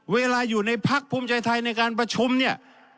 เวลาอยู่ในพักภูมิใจไทยในการประชุมเนี่ย